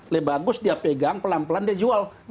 lebih bagus dia pegang pelan pelan dia jual